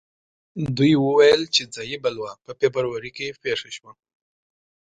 دوی وویل چې ځايي بلوا په فبروري کې پېښه شوه.